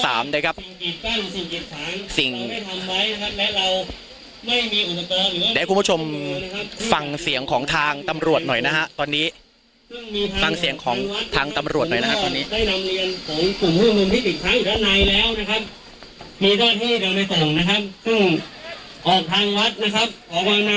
สิ่งทำไว้นะครับและเราไม่มีอุตสเติมหรือว่าคุณผู้ชมฟังเสียงของทางตำรวจหน่อยนะฮะตอนนี้ฟังเสียงของทางตำรวจหน่อยนะครับตอนนี้ได้นำเรียนของกลุ่มผู้ชมนุมที่ติดค้างอยู่ด้านในแล้วนะครับมีเจ้าที่เดินไปส่งนะครับ